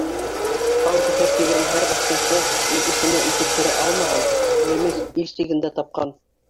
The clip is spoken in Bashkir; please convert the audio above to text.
Ҡан көҫәп килгән һәр баҫҡынсы ил эсенә үтеп керә алмаған, үлемен ил сигендә тапҡан.